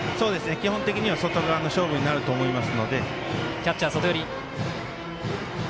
基本的には外側の勝負になると思います。